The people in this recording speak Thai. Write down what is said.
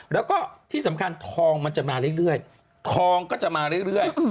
แล้วก็ที่สำคัญทองมันจะมาเรื่อยทองก็จะมาเรื่อย